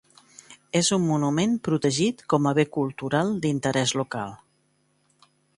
És un monument protegit com a Bé Cultural d'Interès Local.